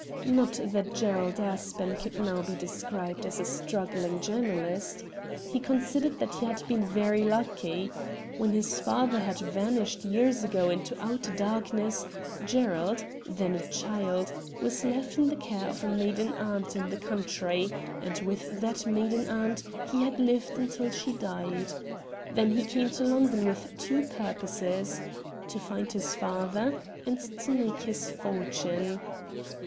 Not that Gerald Aspen could now be described as a struggling journalist. He considered that he had been very lucky. When his father had vanished years ago into outer darkness Gerald, then a child, was left in the care of a maiden aunt in the country, and with that maiden aunt he THE VOYAGERS 15 had lived until she died. Then he came to London with two purposes — to find his father and to make his fortune.